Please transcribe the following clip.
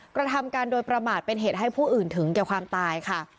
กระทำการโดยประมาทเป็นเหตุให้ผู้อื่นถึงแก่ความตายค่ะ